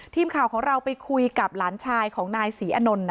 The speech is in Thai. ทีมข่าวของเราไปคุยกับหลานชายของนายศรีอนนท์